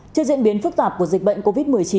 trước diễn biến phức tạp của dịch bệnh covid một mươi chín